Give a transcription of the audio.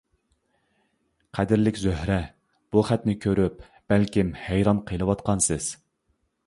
قەدىرلىك زۆھرە، بۇ خەتنى كۆرۈپ بەلكىم ھەيران قېلىۋاتقانسىز.